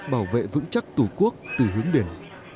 bảo vệ vững chắc tổ quốc từ hướng đến